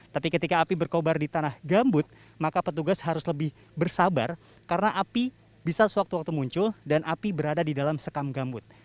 tapi ketika api berkobar di tanah gambut maka petugas harus lebih bersabar karena api bisa sewaktu waktu muncul dan api berada di dalam sekam gambut